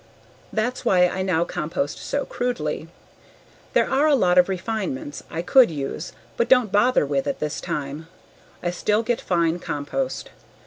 That's why I now compost so crudely. There are a lot of refinements I could use but don't bother with at this time. I still get fine compost.